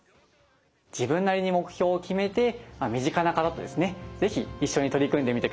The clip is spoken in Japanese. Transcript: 自分なりに目標を決めて身近な方とですね是非一緒に取り組んでみてください。